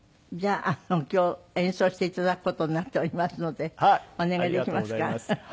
じゃあ今日演奏して頂く事になっておりますのでお願いできますか？